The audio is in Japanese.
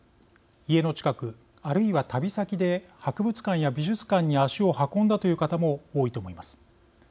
家の近く、あるいは旅先で博物館や美術館に足を運んだという方も多いと思います。